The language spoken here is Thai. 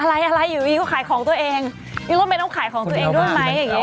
อะไรอยู่ก็ขายของตัวเองยังไม่ต้องขายของตัวเองด้วยไหม